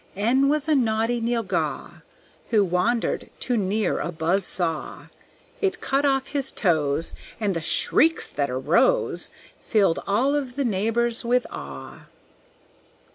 N was a naughty Nylghau, Who wandered too near a buzz saw. It cut off his toes, And the shrieks that arose Filled all of the neighbors with awe.